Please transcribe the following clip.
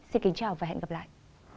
xin kính chào và hẹn gặp lại